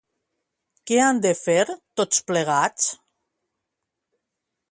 Què han de fer tots plegats?